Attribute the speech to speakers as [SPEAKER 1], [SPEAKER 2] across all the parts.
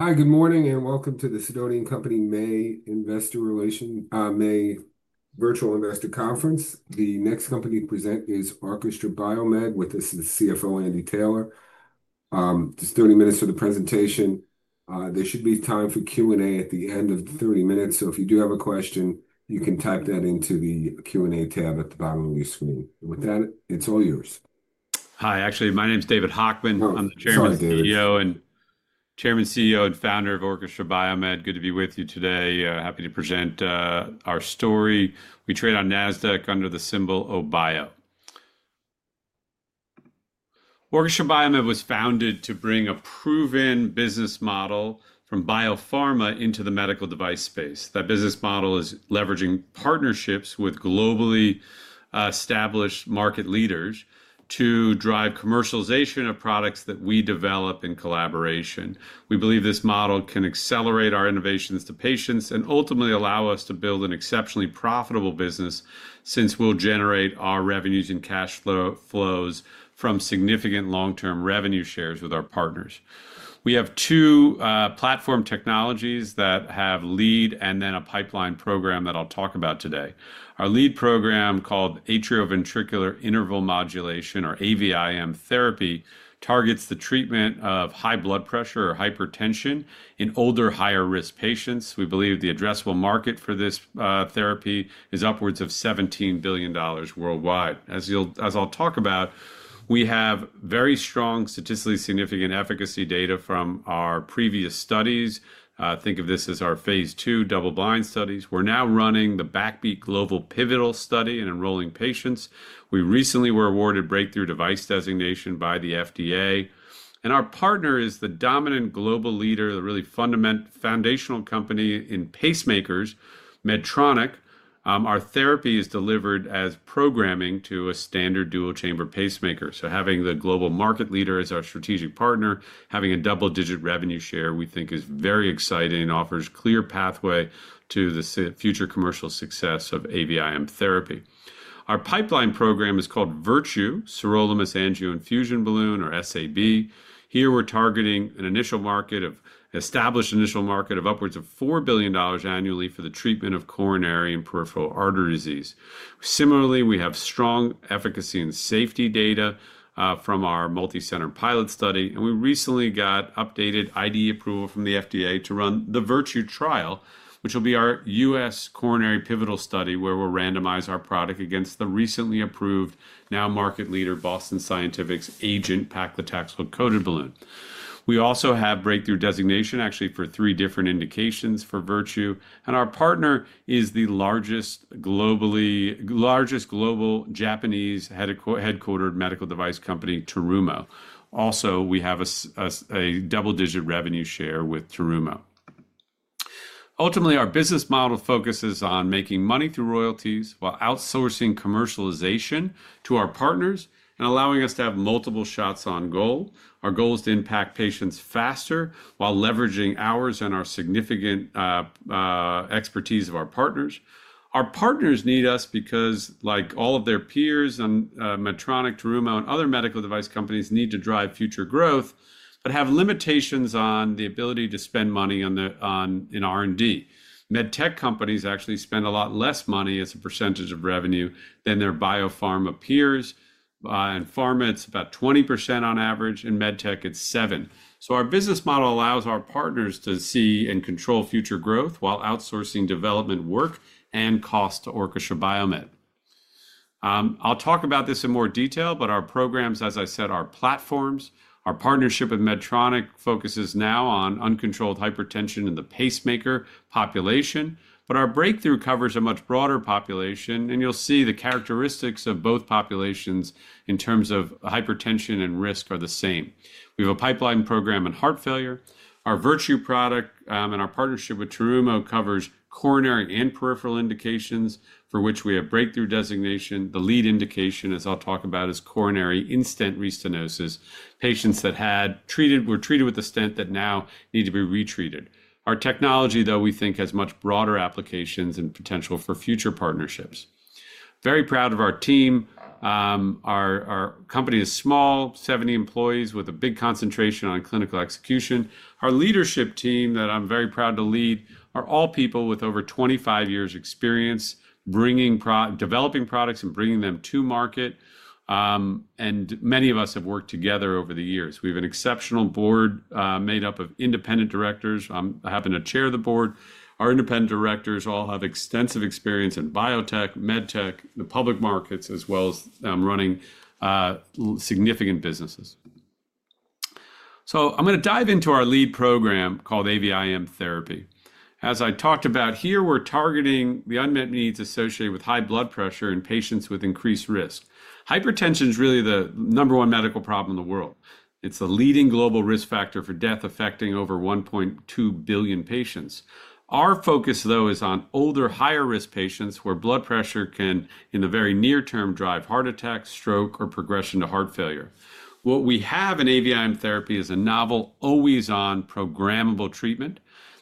[SPEAKER 1] Hi, good morning, and welcome to the Sidoti Company May Investor Relation, May Virtual Investor Conference. The next company to present is Orchestra BioMed, with us is CFO Andy Taylor. Just 30 minutes for the presentation. There should be time for Q&A at the end of the 30 minutes, so if you do have a question, you can type that into the Q&A tab at the bottom of your screen. With that, it's all yours.
[SPEAKER 2] Hi, actually, my name's David Hochman. I'm the Chairman, CEO, and founder of Orchestra BioMed. Good to be with you today. Happy to present our story. We trade on NASDAQ under the symbol OBIO. Orchestra BioMed was founded to bring a proven business model from biopharma into the medical device space. That business model is leveraging partnerships with globally established market leaders to drive commercialization of products that we develop in collaboration. We believe this model can accelerate our innovations to patients and ultimately allow us to build an exceptionally profitable business since we'll generate our revenues and cash flows from significant long-term revenue shares with our partners. We have two platform technologies that have lead and then a pipeline program that I'll talk about today. Our lead program, called Atrioventricular Interval Modulation, or AVIM therapy, targets the treatment of high blood pressure or hypertension in older, higher-risk patients. We believe the addressable market for this therapy is upwards of $17 billion worldwide. As you'll, as I'll talk about, we have very strong, statistically significant efficacy data from our previous studies. Think of this as our phase two double-blind studies. We're now running the BACKBEAT Global Pivotal study in enrolling patients. We recently were awarded Breakthrough Device Designation by the FDA. Our partner is the dominant global leader, the really fundamental, foundational company in pacemakers, Medtronic. Our therapy is delivered as programming to a standard dual-chamber pacemaker. Having the global market leader as our strategic partner, having a double-digit revenue share, we think is very exciting and offers a clear pathway to the future commercial success of AVIM therapy. Our pipeline program is called Virtue Sirolimus Angio-Infusion Balloon, or SAB. Here, we're targeting an initial market of, established initial market of upwards of $4 billion annually for the treatment of coronary and peripheral artery disease. Similarly, we have strong efficacy and safety data, from our multi-center pilot study, and we recently got updated IDE approval from the FDA to run the Virtue trial, which will be our U.S. coronary pivotal study where we'll randomize our product against the recently approved, now market leader, Boston Scientific's Agent Paclitaxel Coated Balloon. We also have Breakthrough Device Designation, actually, for three different indications for Virtue, and our partner is the largest globally, largest global Japanese headquartered medical device company, Terumo. Also, we have a double-digit revenue share with Terumo. Ultimately, our business model focuses on making money through royalties while outsourcing commercialization to our partners and allowing us to have multiple shots on goal. Our goal is to impact patients faster while leveraging ours and our significant expertise of our partners. Our partners need us because, like all of their peers, Medtronic, Terumo, and other medical device companies, need to drive future growth but have limitations on the ability to spend money on R&D. Medtech companies actually spend a lot less money as a percentage of revenue than their biopharma peers. In pharma, it's about 20% on average, and medtech, it's 7%. Our business model allows our partners to see and control future growth while outsourcing development work and cost to Orchestra BioMed. I'll talk about this in more detail, but our programs, as I said, are platforms. Our partnership with Medtronic focuses now on uncontrolled hypertension in the pacemaker population, but our Breakthrough covers a much broader population, and you'll see the characteristics of both populations in terms of hypertension and risk are the same. We have a pipeline program in heart failure. Our Virtue product, and our partnership with Terumo covers coronary and peripheral indications for which we have Breakthrough designation. The lead indication, as I'll talk about, is coronary in-stent restenosis, patients that had treated, were treated with a stent that now need to be retreated. Our technology, though, we think, has much broader applications and potential for future partnerships. Very proud of our team. Our company is small, 70 employees, with a big concentration on clinical execution. Our leadership team that I'm very proud to lead are all people with over 25 years' experience developing products and bringing them to market. Many of us have worked together over the years. We have an exceptional board, made up of independent directors. I am the chair of the board. Our independent directors all have extensive experience in biotech, medtech, the public markets, as well as running significant businesses. I am gonna dive into our lead program called AVIM Therapy. As I talked about here, we are targeting the unmet needs associated with high blood pressure in patients with increased risk. Hypertension is really the number one medical problem in the world. It is the leading global risk factor for death, affecting over 1.2 billion patients. Our focus, though, is on older, higher-risk patients where blood pressure can, in the very near term, drive heart attacks, stroke, or progression to heart failure. What we have in AVIM Therapy is a novel, always-on programmable treatment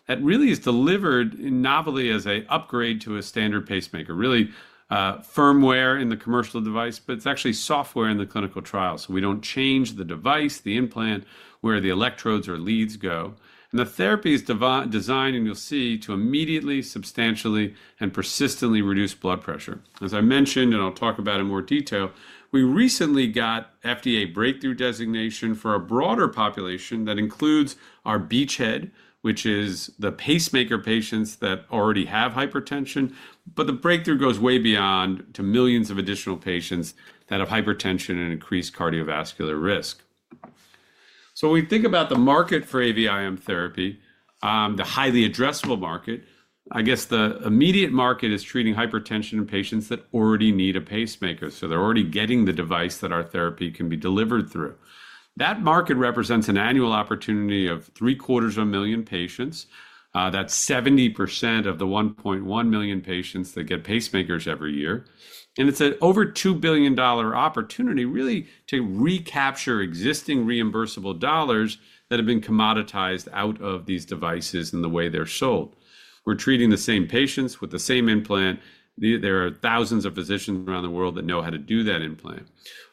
[SPEAKER 2] that really is delivered in novelty as an upgrade to a standard pacemaker. Really, firmware in the commercial device, but it is actually software in the clinical trial. We do not change the device, the implant, where the electrodes or leads go. The therapy is device-designed, and you will see, to immediately, substantially, and persistently reduce blood pressure. As I mentioned, and I will talk about in more detail, we recently got FDA Breakthrough Device Designation for a broader population that includes our beachhead, which is the pacemaker patients that already have hypertension, but the Breakthrough Device Designation goes way beyond to millions of additional patients that have hypertension and increased cardiovascular risk. When we think about the market for AVIM Therapy, the highly addressable market, I guess the immediate market is treating hypertension in patients that already need a pacemaker. They are already getting the device that our therapy can be delivered through. That market represents an annual opportunity of 750,000 patients. That is 70% of the 1.1 million patients that get pacemakers every year. It is an over $2 billion opportunity, really, to recapture existing reimbursable dollars that have been commoditized out of these devices in the way they are sold. We are treating the same patients with the same implant. There are thousands of physicians around the world that know how to do that implant.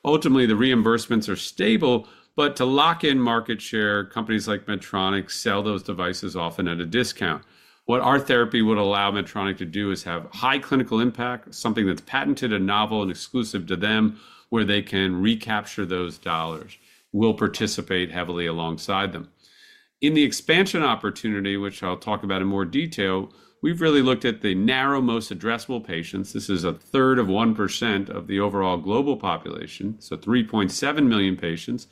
[SPEAKER 2] Ultimately, the reimbursements are stable, but to lock in market share, companies like Medtronic sell those devices often at a discount. What our therapy would allow Medtronic to do is have high clinical impact, something that is patented and novel and exclusive to them, where they can recapture those dollars. We will participate heavily alongside them. In the expansion opportunity, which I'll talk about in more detail, we've really looked at the narrow-most addressable patients. This is 1/3 of 1% of the overall global population, so 3.7 million patients,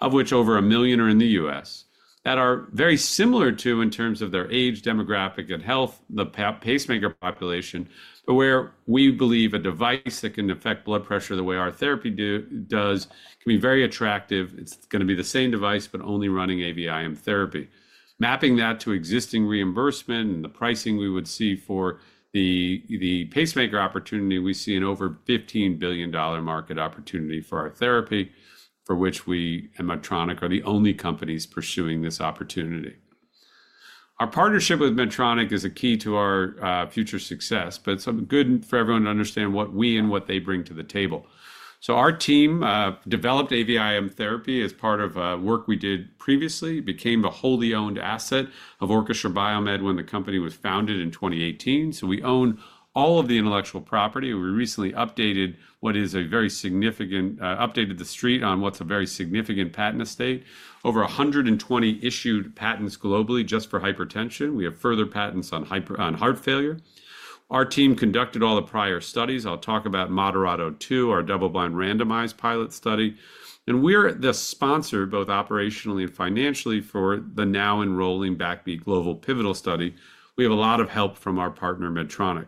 [SPEAKER 2] of which over a million are in the U.S. that are very similar to, in terms of their age, demographic, and health, the pacemaker population, where we believe a device that can affect blood pressure the way our therapy does can be very attractive. It's gonna be the same device, but only running AVIM therapy. Mapping that to existing reimbursement and the pricing we would see for the, the pacemaker opportunity, we see an over $15 billion market opportunity for our therapy, for which we and Medtronic are the only companies pursuing this opportunity. Our partnership with Medtronic is a key to our future success, but it's good for everyone to understand what we and what they bring to the table. Our team developed AVIM Therapy as part of work we did previously. It became a wholly owned asset of Orchestra BioMed when the company was founded in 2018. We own all of the intellectual property. We recently updated what is a very significant, updated the street on what's a very significant patent estate. Over 120 issued patents globally just for hypertension. We have further patents on heart failure. Our team conducted all the prior studies. I'll talk about MODERATO II, our double-blind randomized pilot study. We're the sponsor, both operationally and financially, for the now-enrolling BACKBEAT Global Pivotal study. We have a lot of help from our partner, Medtronic.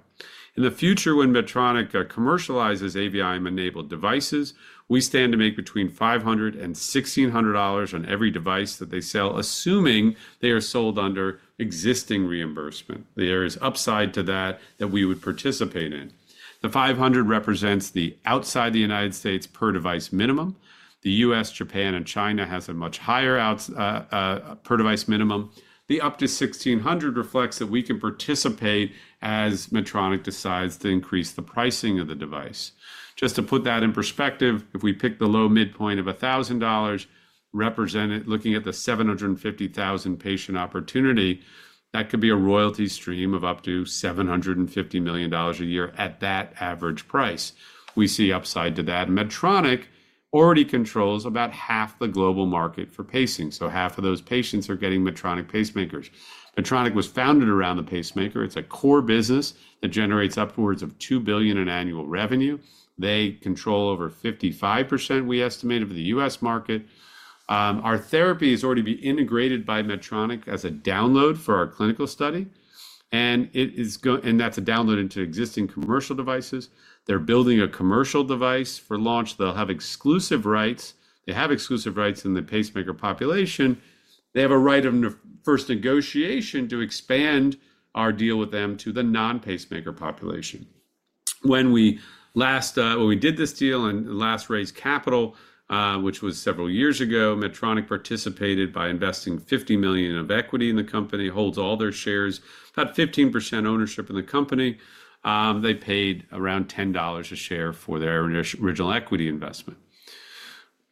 [SPEAKER 2] In the future, when Medtronic commercializes AVIM-enabled devices, we stand to make between $500 and $1,600 on every device that they sell, assuming they are sold under existing reimbursement. There is upside to that that we would participate in. The $500 represents the outside-the-United-States per-device minimum. The U.S., Japan, and China has a much higher outs, per-device minimum. The up to $1,600 reflects that we can participate as Medtronic decides to increase the pricing of the device. Just to put that in perspective, if we pick the low-mid-point of $1,000 represented, looking at the 750,000 patient opportunity, that could be a royalty stream of up to $750 million a year at that average price. We see upside to that. Medtronic already controls about half the global market for pacing. So half of those patients are getting Medtronic pacemakers. Medtronic was founded around the pacemaker. It's a core business that generates upwards of $2 billion in annual revenue. They control over 55%, we estimate, of the U.S. market. Our therapy is already being integrated by Medtronic as a download for our clinical study, and it is go and that's a download into existing commercial devices. They're building a commercial device for launch. They'll have exclusive rights. They have exclusive rights in the pacemaker population. They have a right of first negotiation to expand our deal with them to the non-pacemaker population. When we did this deal and last raised capital, which was several years ago, Medtronic participated by investing $50 million of equity in the company, holds all their shares, about 15% ownership in the company. They paid around $10 a share for their original equity investment.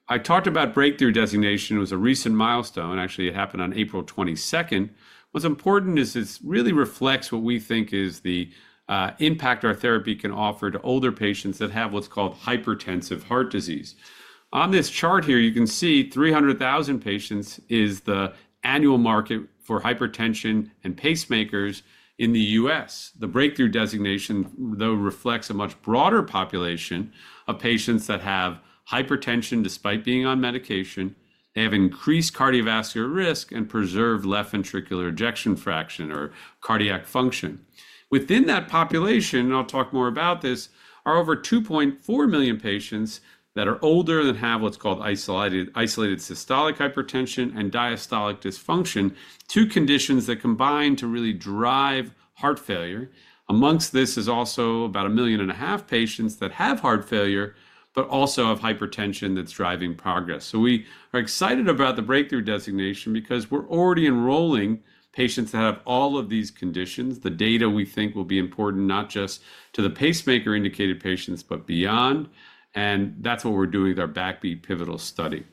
[SPEAKER 2] I talked about Breakthrough Device Designation. It was a recent milestone. Actually, it happened on April 22nd. What's important is it really reflects what we think is the impact our therapy can offer to older patients that have what's called hypertensive heart disease. On this chart here, you can see 300,000 patients is the annual market for hypertension and pacemakers in the U.S. The Breakthrough Device Designation, though, reflects a much broader population of patients that have hypertension despite being on medication. They have increased cardiovascular risk and preserved left ventricular ejection fraction or cardiac function. Within that population, and I'll talk more about this, are over 2.4 million patients that are older and have what's called isolated systolic hypertension and diastolic dysfunction, two conditions that combine to really drive heart failure. Amongst this is also about a million and a half patients that have heart failure but also have hypertension that's driving progress. We are excited about the Breakthrough Device Designation because we're already enrolling patients that have all of these conditions. The data we think will be important not just to the pacemaker-indicated patients, but beyond. That's what we're doing with our BACKBEAT Pivotal study.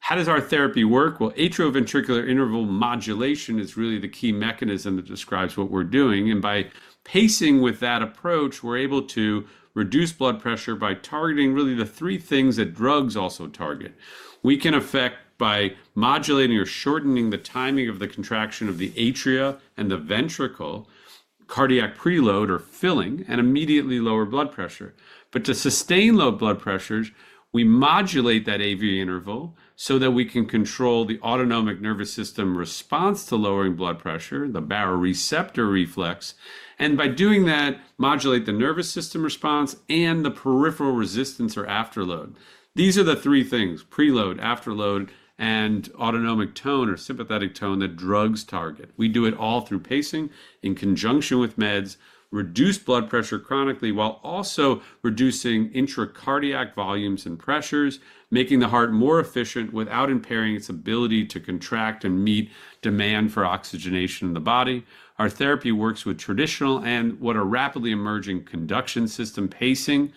[SPEAKER 2] How does our therapy work? Atrioventricular interval modulation is really the key mechanism that describes what we're doing. By pacing with that approach, we're able to reduce blood pressure by targeting really the three things that drugs also target. We can affect, by modulating or shortening the timing of the contraction of the atria and the ventricle, cardiac preload or filling, and immediately lower blood pressure. To sustain low blood pressures, we modulate that AV interval so that we can control the autonomic nervous system response to lowering blood pressure, the baroreceptor reflex, and by doing that, modulate the nervous system response and the peripheral resistance or afterload. These are the three things: preload, afterload, and autonomic tone or sympathetic tone that drugs target. We do it all through pacing in conjunction with meds, reduce blood pressure chronically while also reducing intracardiac volumes and pressures, making the heart more efficient without impairing its ability to contract and meet demand for oxygenation in the body. Our therapy works with traditional and what are rapidly emerging conduction system pacing,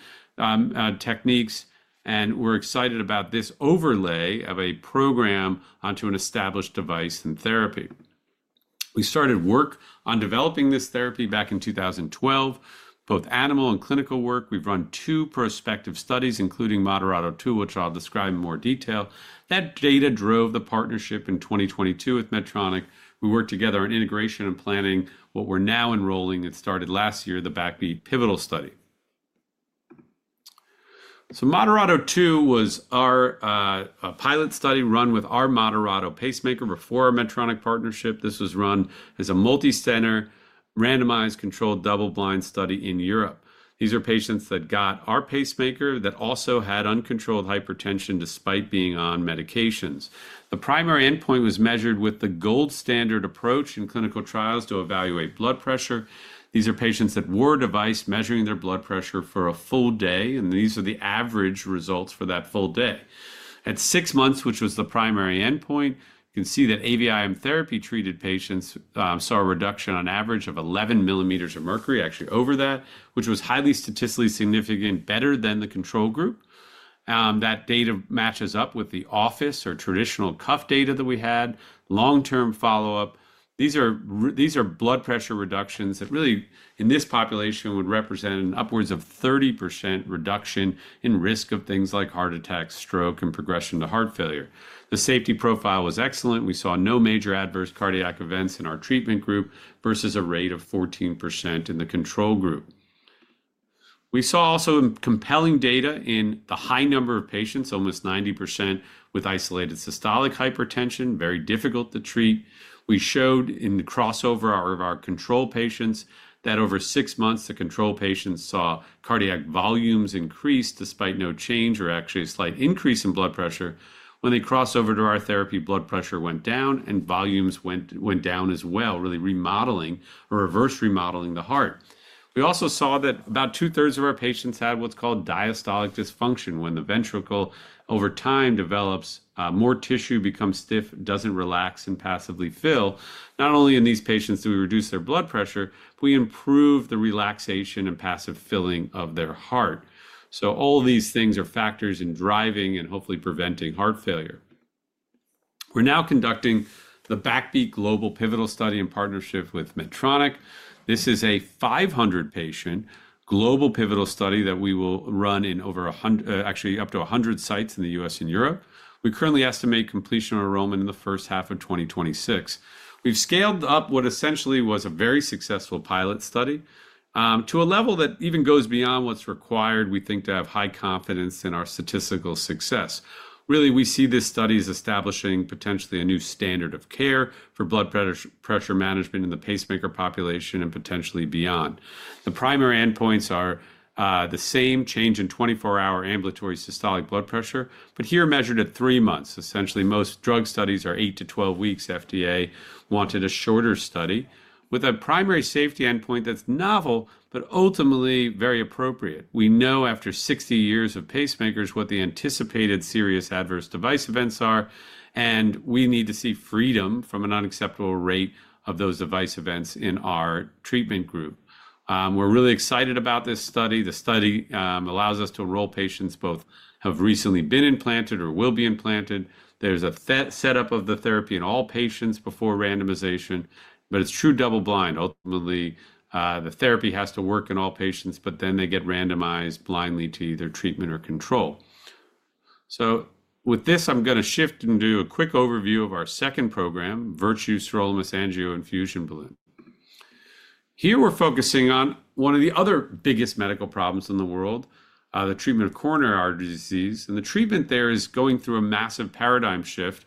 [SPEAKER 2] techniques. We are excited about this overlay of a program onto an established device and therapy. We started work on developing this therapy back in 2012, both animal and clinical work. We've run two prospective studies, including MODERATO II, which I'll describe in more detail. That data drove the partnership in 2022 with Medtronic. We worked together on integration and planning what we're now enrolling and started last year, the BACKBEAT Pivotal study. MODERATO II was our pilot study run with our Moderato pacemaker before our Medtronic partnership. This was run as a multicenter randomized controlled double-blind study in Europe. These are patients that got our pacemaker that also had uncontrolled hypertension despite being on medications. The primary end-point was measured with the gold standard approach in clinical trials to evaluate blood pressure. These are patients that wore a device measuring their blood pressure for a full day, and these are the average results for that full day. At six months, which was the primary end-point, you can see that AVIM therapy treated patients saw a reduction on average of 11 millimeters of mercury, actually over that, which was highly statistically significant, better than the control group. That data matches up with the office or traditional cuff data that we had, long-term follow-up. These are blood pressure reductions that really, in this population, would represent an upwards of 30% reduction in risk of things like heart attacks, stroke, and progression to heart failure. The safety profile was excellent. We saw no major adverse cardiac events in our treatment group versus a rate of 14% in the control group. We saw also compelling data in the high number of patients, almost 90%, with isolated systolic hypertension, very difficult to treat. We showed in the crossover of our control patients that over six months, the control patients saw cardiac volumes increase despite no change or actually a slight increase in blood pressure. When they crossed over to our therapy, blood pressure went down and volumes went down as well, really remodeling or reverse remodeling the heart. We also saw that about 2/3 of our patients had what's called diastolic dysfunction when the ventricle over time develops more tissue, becomes stiff, doesn't relax, and passively fill. Not only in these patients do we reduce their blood pressure, but we improve the relaxation and passive filling of their heart. All of these things are factors in driving and hopefully preventing heart failure. We're now conducting the BACKBEAT Global Pivotal study in partnership with Medtronic. This is a 500-patient global pivotal study that we will run in over a hundred, actually up to a hundred sites in the U.S. and Europe. We currently estimate completion enrollment in the first-half of 2026. We've scaled up what essentially was a very successful pilot study, to a level that even goes beyond what's required. We think to have high confidence in our statistical success. Really, we see this study as establishing potentially a new standard of care for blood pressure, pressure management in the pacemaker population and potentially beyond. The primary endpoints are the same change in 24-hour ambulatory systolic blood pressure, but here measured at three months. Essentially, most drug studies are 8-12 weeks. FDA wanted a shorter study with a primary safety endpoint that's novel but ultimately very appropriate. We know after 60 years of pacemakers what the anticipated serious adverse device events are, and we need to see freedom from an unacceptable rate of those device events in our treatment group. We're really excited about this study. The study allows us to enroll patients who both have recently been implanted or will be implanted. There's a setup of the therapy in all patients before randomization, but it's true double-blind. Ultimately, the therapy has to work in all patients, but then they get randomized blindly to either treatment or control. With this, I'm gonna shift and do a quick overview of our second program, Virtue Sirolimus Angio-Infusion Balloon. Here, we're focusing on one of the other biggest medical problems in the world, the treatment of coronary artery disease. The treatment there is going through a massive paradigm shift.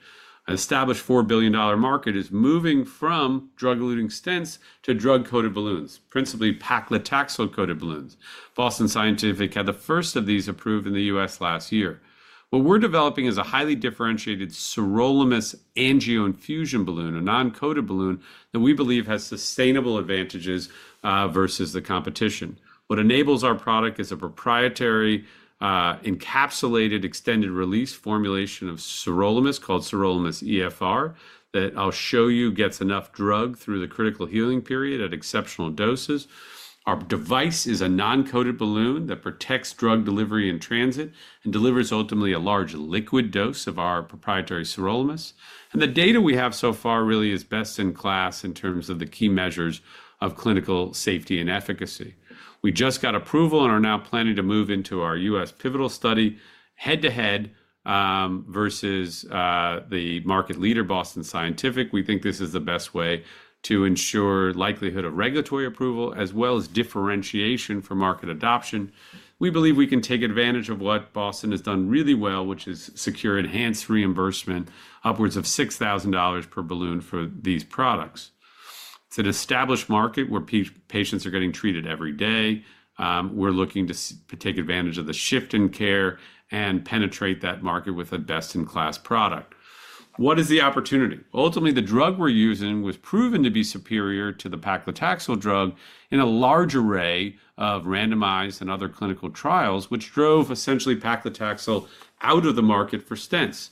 [SPEAKER 2] An established $4 billion market is moving from drug-eluting stents to drug-coated balloons, principally paclitaxel-coated balloons. Boston Scientific had the first of these approved in the U.S. last year. What we're developing is a highly differentiated Virtue Sirolimus Angio-Infusion Balloon, a non-coated balloon that we believe has sustainable advantages, versus the competition. What enables our product is a proprietary, encapsulated extended-release formulation of sirolimus called SirolimusEFR that I'll show you gets enough drug through the critical healing period at exceptional doses. Our device is a non-coated balloon that protects drug delivery in transit and delivers ultimately a large liquid dose of our proprietary sirolimus. And the data we have so far really is best in class in terms of the key measures of clinical safety and efficacy. We just got approval and are now planning to move into our U.S. pivotal study head-to-head, versus, the market leader, Boston Scientific. We think this is the best way to ensure the likelihood of regulatory approval as well as differentiation for market adoption. We believe we can take advantage of what Boston Scientific has done really well, which is secure enhanced reimbursement upwards of $6,000 per balloon for these products. It's an established market where patients are getting treated every day. We're looking to take advantage of the shift in care and penetrate that market with a best-in-class product. What is the opportunity? Ultimately, the drug we're using was proven to be superior to the paclitaxel drug in a large array of randomized and other clinical trials, which drove essentially paclitaxel out of the market for stents.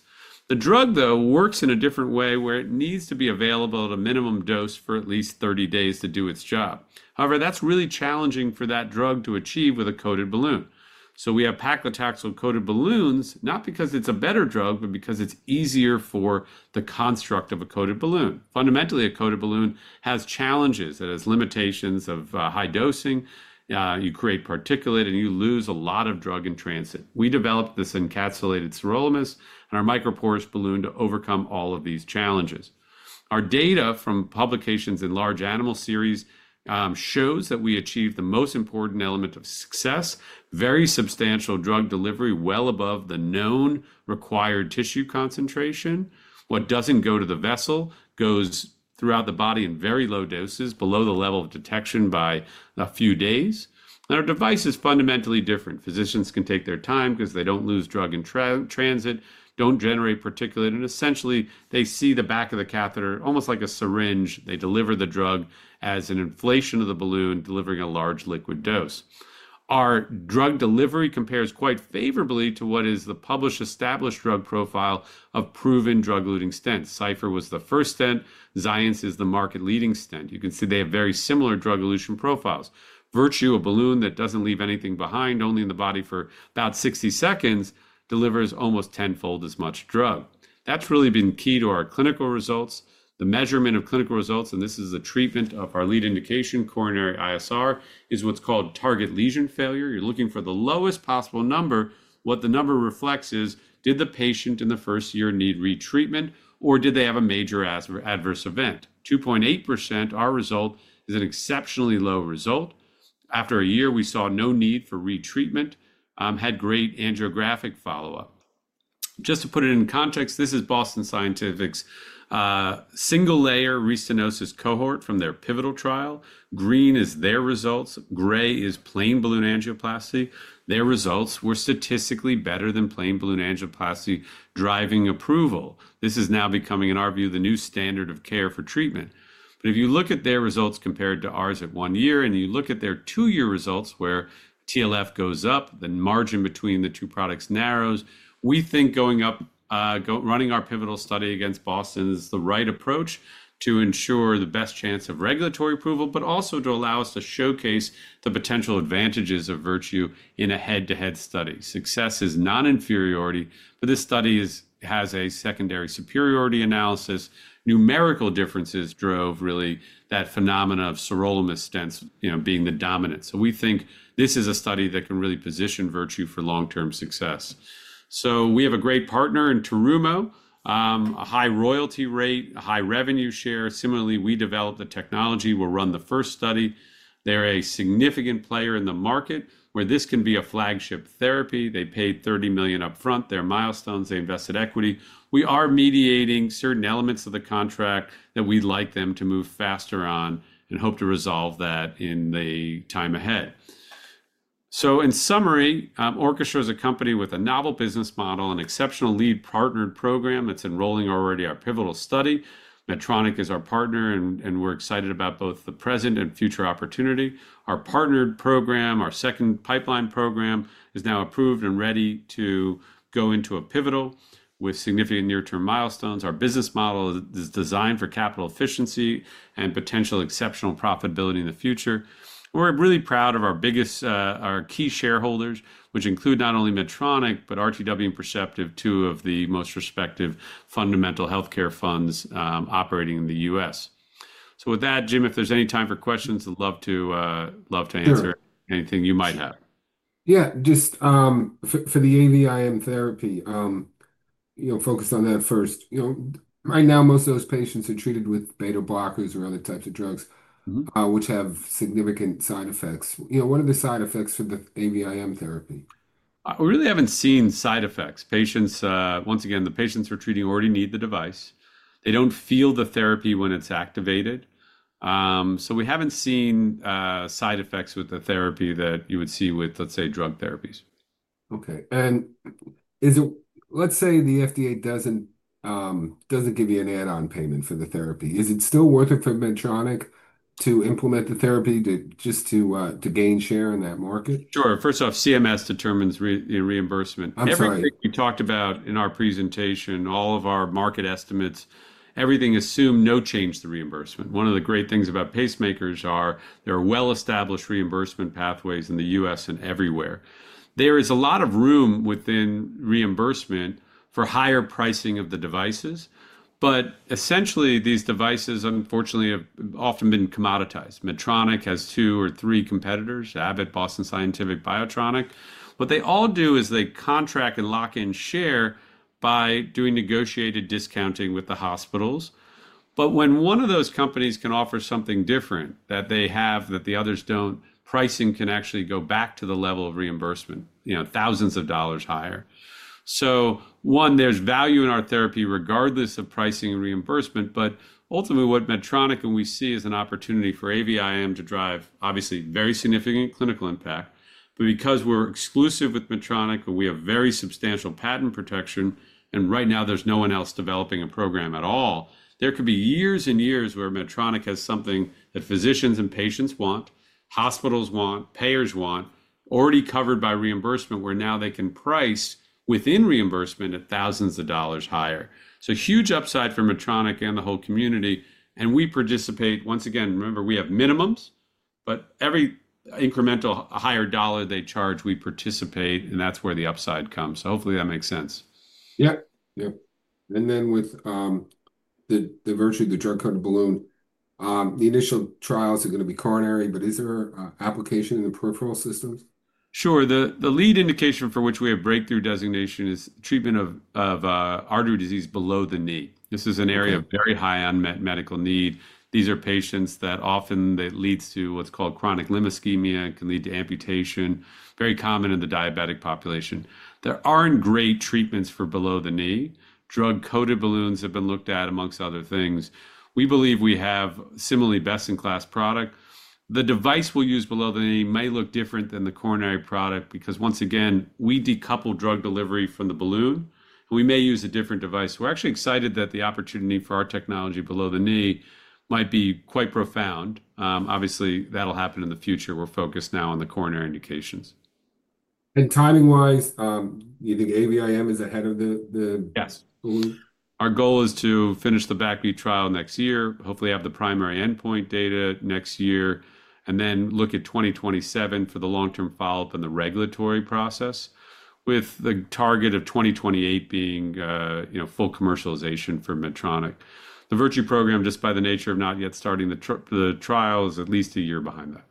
[SPEAKER 2] The drug, though, works in a different way where it needs to be available at a minimum dose for at least 30 days to do its job. However, that's really challenging for that drug to achieve with a coated balloon. So we have paclitaxel-coated balloons, not because it's a better drug, but because it's easier for the construct of a coated balloon. Fundamentally, a coated balloon has challenges. It has limitations of high dosing. You create particulate and you lose a lot of drug in transit. We developed this encapsulated sirolimus and our microporous balloon to overcome all of these challenges. Our data from publications in large animal series shows that we achieve the most important element of success: very substantial drug delivery well above the known required tissue concentration. What doesn't go to the vessel goes throughout the body in very low doses, below the level of detection by a few days. Our device is fundamentally different. Physicians can take their time 'cause they don't lose drug in transit, don't generate particulate, and essentially they see the back of the catheter almost like a syringe. They deliver the drug as an inflation of the balloon, delivering a large liquid dose. Our drug delivery compares quite favorably to what is the published established drug profile of proven drug-eluting stents. Cypher was the first stent. Xience is the market-leading stent. You can see they have very similar drug-eluting profiles. Virtue, a balloon that doesn't leave anything behind, only in the body for about 60 seconds, delivers almost tenfold as much drug. That's really been key to our clinical results. The measurement of clinical results, and this is the treatment of our lead indication, coronary ISR, is what's called target lesion failure. You're looking for the lowest possible number. What the number reflects is, did the patient in the first year need retreatment or did they have a major adverse event? 2.8%, our result is an exceptionally low result. After a year, we saw no need for retreatment, had great angiographic follow-up. Just to put it in context, this is Boston Scientific's single-layer restenosis cohort from their pivotal trial. Green is their results. Gray is plain balloon angioplasty. Their results were statistically better than plain balloon angioplasty, driving approval. This is now becoming, in our view, the new standard of care for treatment. If you look at their results compared to ours at one year and you look at their two-year results where TLF goes up, the margin between the two products narrows, we think going up, running our pivotal study against Boston Scientific is the right approach to ensure the best chance of regulatory approval, but also to allow us to showcase the potential advantages of Virtue in a head-to-head study. Success is non-inferiority, but this study has a secondary superiority analysis. Numerical differences drove really that phenomenon of sirolimus stents, you know, being the dominant. We think this is a study that can really position Virtue for long-term success. We have a great partner in Terumo, a high royalty rate, a high revenue share. Similarly, we developed the technology. We'll run the first study. They're a significant player in the market where this can be a flagship therapy. They paid $30 million upfront, their milestones, they invested equity. We are mediating certain elements of the contract that we'd like them to move faster on and hope to resolve that in the time ahead. In summary, Orchestra is a company with a novel business model, an exceptional lead partnered program. It's enrolling already our pivotal study. Medtronic is our partner, and we're excited about both the present and future opportunity. Our partnered program, our second pipeline program is now approved and ready to go into a pivotal with significant near-term milestones. Our business model is designed for capital efficiency and potential exceptional profitability in the future. We're really proud of our biggest, our key shareholders, which include not only Medtronic, but RTW and Perceptive, two of the most respected fundamental healthcare funds, operating in the U.S. With that, Jim, if there's any time for questions, I'd love to answer anything you might have.
[SPEAKER 1] Yeah, just, for the AVIM therapy, you know, focus on that first. Right now most of those patients are treated with beta blockers or other types of drugs, which have significant side effects. You know, what are the side effects for the AVIM therapy?
[SPEAKER 2] We really haven't seen side effects. Patients, once again, the patients we're treating already need the device. They don't feel the therapy when it's activated. We haven't seen side effects with the therapy that you would see with, let's say, drug therapies.
[SPEAKER 1] Okay. Is it, let's say the FDA doesn't give you an add-on payment for the therapy, is it still worth it for Medtronic to implement the therapy just to gain share in that market?
[SPEAKER 2] Sure. First off, CMS determines, you know, reimbursement. Absolutely. Everything we talked about in our presentation, all of our market estimates, everything assumed no change to reimbursement. One of the great things about pacemakers are there are well-established reimbursement pathways in the U.S. and everywhere. There is a lot of room within reimbursement for higher pricing of the devices, but essentially these devices unfortunately have often been commoditized. Medtronic has two or three competitors, Abbott, Boston Scientific, Biotronik. What they all do is they contract and lock in share by doing negotiated discounting with the hospitals. When one of those companies can offer something different that they have that the others do not, pricing can actually go back to the level of reimbursement, you know, thousands of dollars higher. One, there's value in our therapy regardless of pricing and reimbursement, but ultimately what Medtronic and we see is an opportunity for AVIM therapy to drive obviously very significant clinical impact. Because we're exclusive with Medtronic and we have very substantial patent protection, and right now there's no one else developing a program at all, there could be years and years where Medtronic has something that physicians and patients want, hospitals want, payers want, already covered by reimbursement, where now they can price within reimbursement at thousands of dollars higher. Huge upside for Medtronic and the whole community. We participate, once again, remember we have minimums, but every incremental higher dollar they charge, we participate and that's where the upside comes. Hopefully that makes sense.
[SPEAKER 1] Yep. Yep. With the Virtue, the drug-coated balloon, the initial trials are gonna be coronary, but is there an application in the peripheral systems?
[SPEAKER 2] Sure. The lead indication for which we have breakthrough designation is treatment of artery disease below the knee. This is an area of very high unmet medical need. These are patients that often that leads to what's called chronic limb ischemia and can lead to amputation, very common in the diabetic population. There aren't great treatments for below the knee. Drug-coated balloons have been looked at amongst other things. We believe we have similarly best-in-class product. The device we'll use below the knee may look different than the coronary product because once again, we decouple drug delivery from the balloon and we may use a different device. We're actually excited that the opportunity for our technology below the knee might be quite profound. Obviously that'll happen in the future. We're focused now on the coronary indications.
[SPEAKER 1] Timing-wise, you think AVIM therapy is ahead of the, the balloon?
[SPEAKER 2] Yes.Our goal is to finish the BACB trial next year, hopefully have the primary endpoint data next year, and then look at 2027 for the long-term follow-up and the regulatory process with the target of 2028 being, you know, full commercialization for Medtronic. The Virtue program, just by the nature of not yet starting the trial, is at least a year behind that.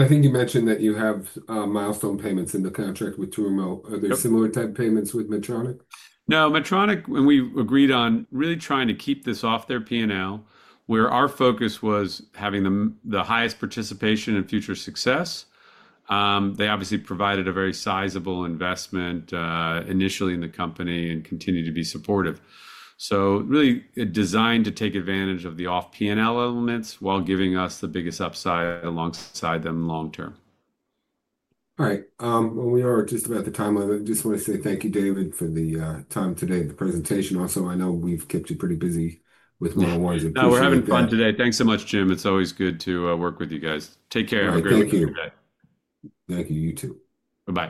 [SPEAKER 1] I think you mentioned that you have milestone payments in the contract with Terumo. Are there similar type payments with Medtronic?
[SPEAKER 2] No, Medtronic, when we agreed on really trying to keep this off their P&L, where our focus was having the highest participation in future success, they obviously provided a very sizable investment, initially in the company and continue to be supportive. Really designed to take advantage of the off-P&L elements while giving us the biggest upside alongside them long-term.
[SPEAKER 1] All right. I just wanna say thank you, David Hochman, for the time today, the presentation. Also, I know we've kept you pretty busy with more awards.
[SPEAKER 2] No, we're having fun today. Thanks so much, Jim. It's always good to work with you guys. Take care. Have a great rest of your day.
[SPEAKER 1] Thank you. You too.
[SPEAKER 2] Bye-bye.